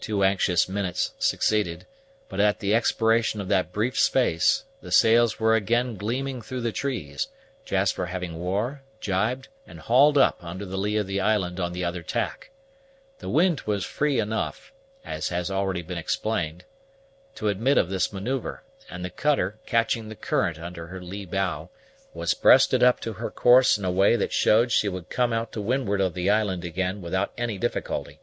Two anxious minutes succeeded; but, at the expiration of that brief space, the sails were again gleaming through the trees, Jasper having wore, jibed, and hauled up under the lee of the island on the other tack. The wind was free enough, as has been already explained, to admit of this manoeuvre; and the cutter, catching the current under her lee bow, was breasted up to her course in a way that showed she would come out to windward of the island again without any difficulty.